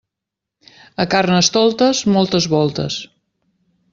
A Carnestoltes, moltes voltes.